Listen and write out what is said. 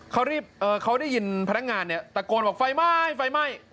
เขารีบเขาได้ยินพนักงานนี่ตะโกนว่าไฟไหม้